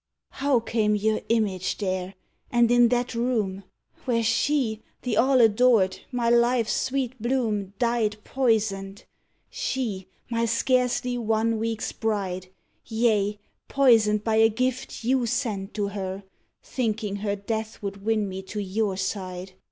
How came your image there? and in that room! Where she, the all adored, my life's sweet bloom, Died poisoned! She, my scarcely one week's bride Yea, poisoned by a gift you sent to her, Thinking her death would win me to your side.